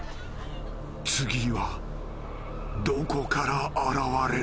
［次はどこから現れる？］